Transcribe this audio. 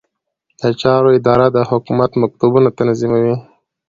د چارو اداره د حکومت مکتوبونه تنظیموي